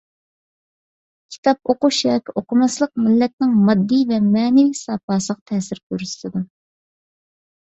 كىتاب ئوقۇش ياكى ئوقۇماسلىق مىللەتنىڭ ماددىي ۋە مەنىۋى ساپاسىغا تەسىر كۆرسىتىدۇ.